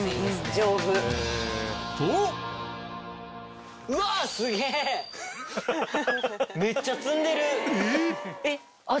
丈夫。とめっちゃ積んでる！え？